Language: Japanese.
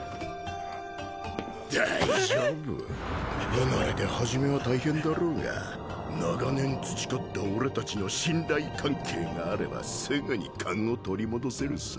不慣れで初めは大変だろうが長年培った俺たちの信頼関係があればすぐに勘を取り戻せるさ。